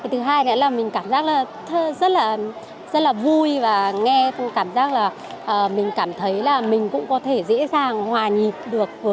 thứ hai nữa là mình cảm giác rất là vui và nghe cũng cảm giác là mình cảm thấy là mình cũng có thể dễ dàng hòa nhịp được với các làn điệu của các bạn thể hiện